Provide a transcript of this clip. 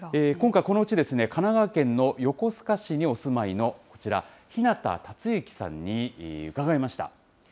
今回、このうち神奈川県の横須賀市にお住まいのこちら、日向龍之さんに伺いました。